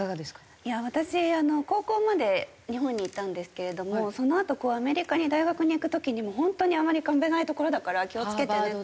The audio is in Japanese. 私高校まで日本にいたんですけれどもそのあとアメリカに大学に行く時にも本当にアメリカ危ない所だから気を付けてねって。